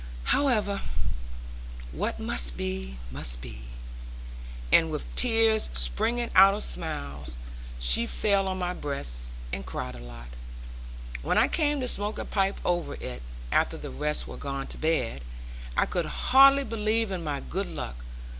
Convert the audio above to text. However, what must be, must be.' And with tears springing out of smiles, she fell on my breast, and cried a bit. When I came to smoke a pipe over it (after the rest were gone to bed), I could hardly believe in my good luck.